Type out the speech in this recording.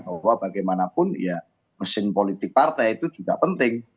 bahwa bagaimanapun ya mesin politik partai itu juga penting